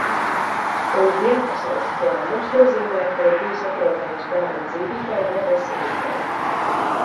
Un vienpersonisks lēmums nozīmē, ka ir bijis apdraudējums bērna dzīvībai vai veselībai.